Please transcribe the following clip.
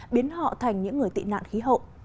biến họ thành những người tị nạn khí hậu